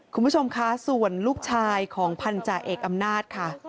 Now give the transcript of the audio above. คุณผู้ชมคะส่วนลูกชายของพันธาเอกอำนาจค่ะ